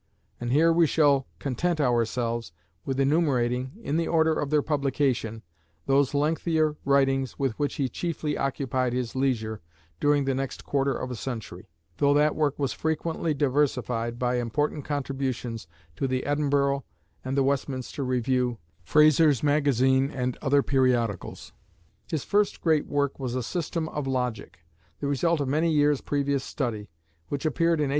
And here we shall content ourselves with enumerating, in the order of their publication, those lengthier writings with which he chiefly occupied his leisure during the next quarter of a century; though that work was frequently diversified by important contributions to "The Edinburgh" and "The Westminster Review," "Fraser's Magazine," and other periodicals. His first great work was "A System of Logic," the result of many years' previous study, which appeared in 1843.